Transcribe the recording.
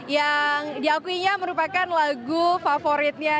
yang diakuinya merupakan lagu favoritnya